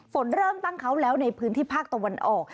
ฝนเริ่มตั้งเขาแล้วในพื้นที่ภาคตะวันออก